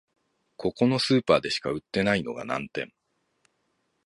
ここのスーパーでしか売ってないのが難点